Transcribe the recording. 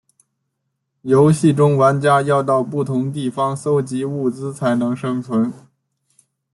游戏中玩家要到不同地方搜集物资才能生存。